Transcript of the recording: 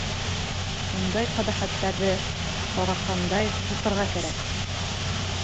Ундай ҡәбәхәттәрҙе тараҡандай һытырға кәрәк.